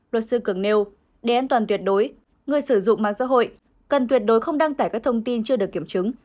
luật sư cường nêu để an toàn tuyệt đối người sử dụng mạng xã hội cần tuyệt đối không đăng tải các thông tin chưa được kiểm chứng